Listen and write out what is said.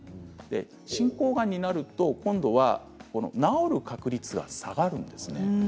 進行がんになると治る確率が下がるんですね。